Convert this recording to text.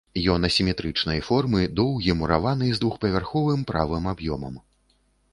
Ён асіметрычнай формы, доўгі, мураваны, з двухпавярховым правым аб'ёмам.